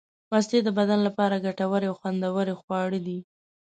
مستې د بدن لپاره ګټورې او خوندورې خواړه دي.